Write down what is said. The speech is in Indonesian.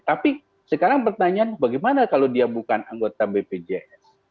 tapi sekarang pertanyaan bagaimana kalau dia bukan anggota bpjs